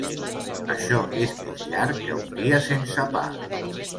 Això és més llarg que un dia sense pa.